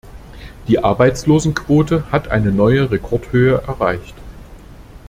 Die Arbeitslosenquote hat eine neue Rekordhöhe erreicht.